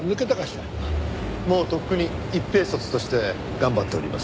もうとっくに一兵卒として頑張っております。